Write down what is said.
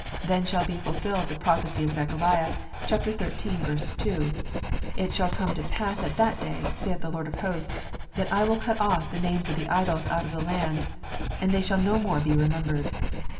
Then shall be fulfilled the prophecy of Zechariah (xiii. 2) : "It shall come to pass at that day, saith the Lord of hosts, that I will cut off the names of the idols out of the land, and they shall no more be remembered."